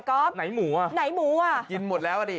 ไหนหมูอ่ะไหนหมูอ่ะกินหมดแล้วอ่ะดิ